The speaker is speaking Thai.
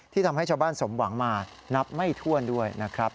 ทำให้ชาวบ้านสมหวังมานับไม่ถ้วนด้วยนะครับ